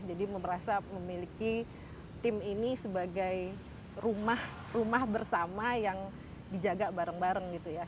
jadi memiliki tim ini sebagai rumah rumah bersama yang dijaga bareng bareng gitu ya